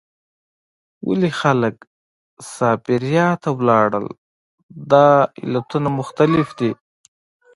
ولې خلک سابیریا ته لاړل؟ دا علتونه مختلف دي.